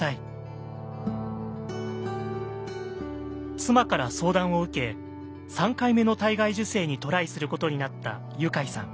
妻から相談を受け３回目の体外受精にトライすることになったユカイさん。